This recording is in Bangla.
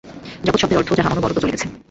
জগৎ শব্দের অর্থ যাহা অনবরত চলিতেছে।